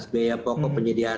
biaya pokok penyediaan